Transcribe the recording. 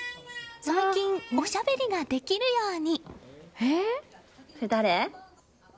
最近、おしゃべりができるように。